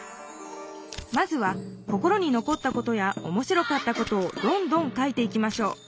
まずは心にのこったことやおもしろかったことをどんどん書いていきましょう。